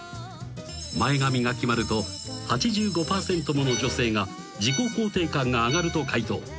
［前髪が決まると８５％もの女性が自己肯定感が上がると回答］